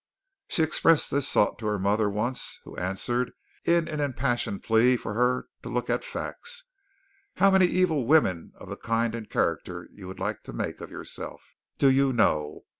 She expressed this thought to her mother once who answered in an impassioned plea for her to look at the facts. "How many evil women of the kind and character you would like to make of yourself, do you know?